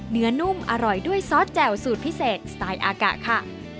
นุ่มอร่อยด้วยซอสแจ่วสูตรพิเศษสไตล์อากะค่ะ